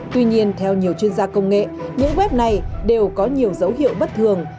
tuy nhiên theo nhiều chuyên gia công nghệ những web này đều có nhiều dấu hiệu bất thường